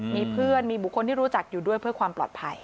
มีเพื่อนมีบุคคลที่รู้จักอยู่ด้วยเพื่อความปลอดภัย